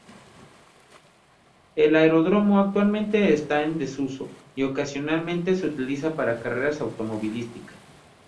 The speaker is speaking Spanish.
El aeródromo actualmente está en desuso, y ocasionalmente se utiliza para carreras automovilísticas.